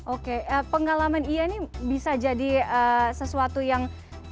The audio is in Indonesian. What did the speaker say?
oke pengalaman ia ini bisa jadi sesuatu yang